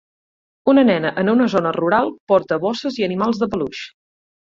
Una nena en una zona rural porta bosses i animals de peluix.